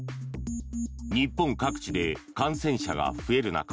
日本各地で感染者が増える中